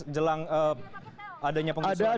jelang adanya pengusuhan ini